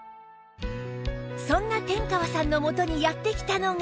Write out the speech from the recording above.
そんな天川さんのもとにやって来たのが